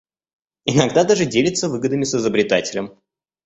Иногда даже делится выгодами с изобретателем.